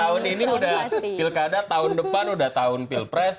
tahun ini sudah pilkada tahun depan sudah tahun pilpres